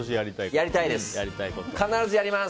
やりたいです！